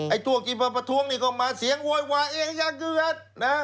ไอ้ตัวกจีบปะทวงเนี่ยเขามาเสียงโหยวาเองอย่าเกือบ